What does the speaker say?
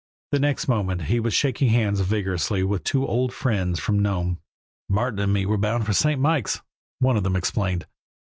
The next moment he was shaking hands vigorously with two old friends from Nome. "Martin and me are bound for Saint Mikes," one of them explained.